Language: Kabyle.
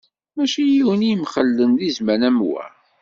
Mačči yiwen i imxellen deg zzman am wa.